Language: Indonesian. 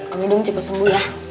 om dudung cepat sembuh ya